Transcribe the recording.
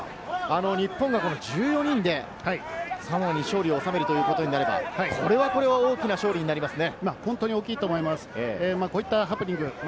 日本が１４人でサモアに勝利を収めるということになれば、これは大きな勝利になりますね。